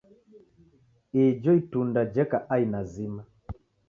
Ijo itunda jeka aina zima.